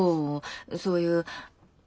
そういう。